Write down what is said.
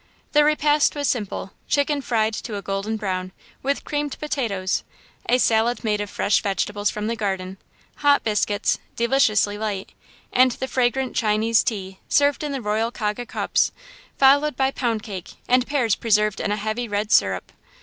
The repast was simple chicken fried to a golden brown, with creamed potatoes, a salad made of fresh vegetables from the garden, hot biscuits, deliciously light, and the fragrant Chinese tea, served in the Royal Kaga cups, followed by pound cake, and pears preserved in a heavy red syrup.